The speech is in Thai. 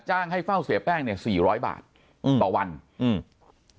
จ้างค่าฝ่าเสียแป้งสี่ร้อยบาทต่อวันอืม